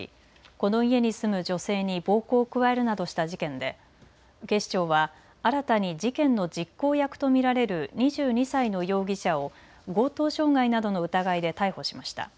この家に住む女性に暴行を加えるなどした事件で警視庁は新たに事件の実行役と見られる２２歳の容疑者を強盗傷害などの疑いで逮捕しました。